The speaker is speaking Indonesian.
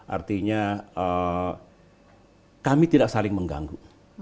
artinya kami tidak saling mengganggu